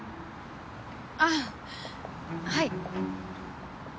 あっはい。